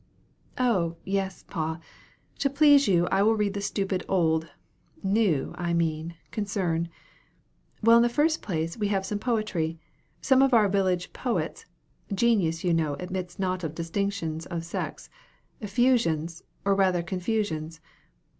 "Oh, yes, pa; to please you I will read the stupid old (new, I mean) concern. Well, in the first place, we have some poetry some of our village poets' (genius, you know, admits not of distinction of sex) effusions, or rather confusions.